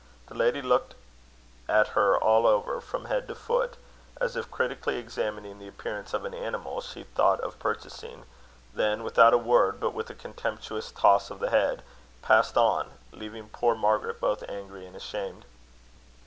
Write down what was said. The lady looked at her, all over, from head to foot, as if critically examining the appearance of an animal she thought of purchasing; then, without a word, but with a contemptuous toss of the head, passed on, leaving poor Margaret both angry and ashamed.